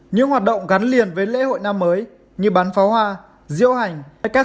những hoạt động gắn liền với lễ hội năm mới như bán pháo hoa rượu hành các sự kiện thu hút đám đông lớn sẽ bị cấm hoàn toàn